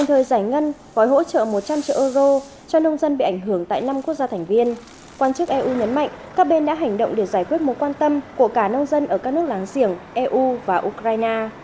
quán chức eu nhấn mạnh các bên đã hành động để giải quyết mối quan tâm của cả nông dân ở các nước láng giềng eu và ukraine